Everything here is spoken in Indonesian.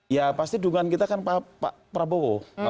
ya pasti dukungan kita kan pak prabowo